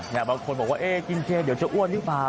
อยากบอกคนว่ากินเจนเดี๋ยวจะอ้วนหรือเปล่า